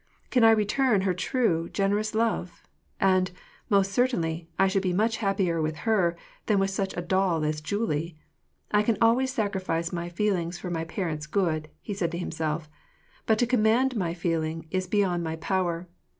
" Can I return her true, generous love ? And, most certainly, I should be much happier with her, than with such a doll as Julie ! I can always sacrifice my feel ings for my parents' good," said he to himself. '^ But to com mand my feelings is beyond my power.